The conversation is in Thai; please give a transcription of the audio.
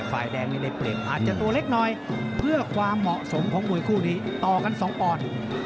ฝ่ายแดงนี่ได้เปรียบอาจจะตัวเล็กหน่อยเพื่อความเหมาะสมของมวยคู่นี้ต่อกันสองปอนด์